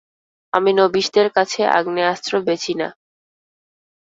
আমি নবিশদের কাছে আগ্নেয়াস্ত্র বেচি না।